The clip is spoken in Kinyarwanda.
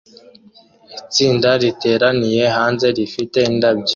Itsinda riteraniye hanze rifite indabyo